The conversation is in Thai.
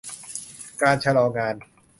การชะลองาน